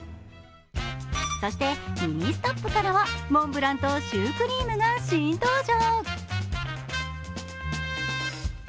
そしてミニストップからはモンブランとシュークリームが新登場。